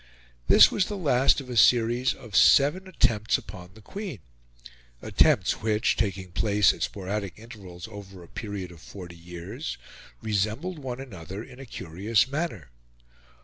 This was the last of a series of seven attempts upon the Queen attempts which, taking place at sporadic intervals over a period of forty years, resembled one another in a curious manner.